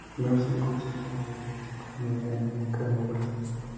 Durante sus primeros cinco o seis años de vida son primariamente carnívoras.